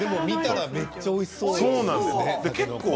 見たらめっちゃおいしそうですよね。